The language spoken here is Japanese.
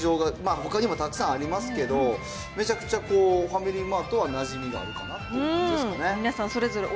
ほかにもたくさんありますけれども、めちゃくちゃこう、ファミリーマートはなじみがあるかなって感じですかね。